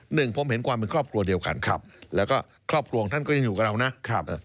หนึ่งผมเห็นความเป็นครอบครัวเดียวกันครับแล้วก็ครอบครัวของท่านก็ยังอยู่กับเรานะครับเอ่อ